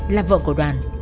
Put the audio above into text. là vợ của đoàn